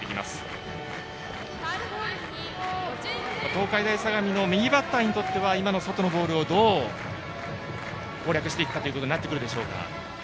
東海大相模の右バッターにとっては今の外のボールをどう攻略していくかとなっていくでしょうか。